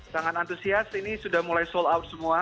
sangat antusias ini sudah mulai sold out semua